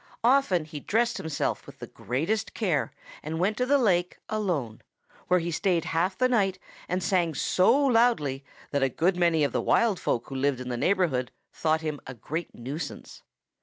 Often he dressed himself with the greatest care and went to the lake alone, where he stayed half the night and sang so loudly that a good many of the wild folk who lived in the neighborhood thought him a great nuisance.